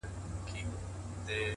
هره پوښتنه د نوې پوهې تخم دی’